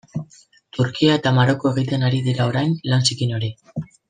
Turkia eta Maroko egiten ari dira orain lan zikin hori.